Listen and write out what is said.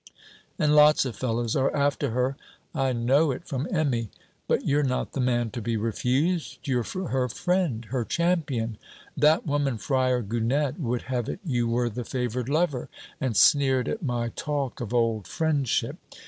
And lots of fellows are after her; I know it from Emmy. But you're not the man to be refused. You're her friend her champion. That woman Fryar Gunnett would have it you were the favoured lover, and sneered at my talk of old friendship.